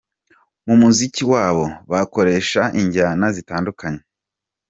Mu muziki wabo, bakoresha injyana zitandukanye.